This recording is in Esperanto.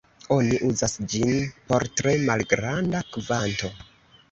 Oni uzas ĝin por tre malgranda kvanto.